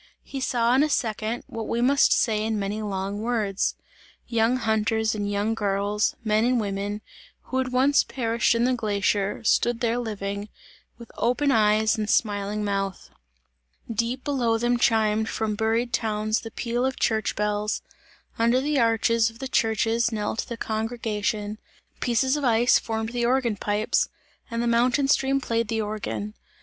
He saw in a second, what we must say in many long words. Young hunters and young girls, men and women, who had once perished in the glacier, stood there living, with open eyes and smiling mouth; deep below them chimed from buried towns the peal of church bells; under the arches of the churches knelt the congregation; pieces of ice formed the organ pipes, and the mountain stream played the organ.